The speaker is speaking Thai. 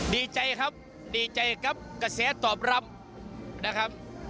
ดีใจครับดีใจกับกระแสตอบรับนะครับ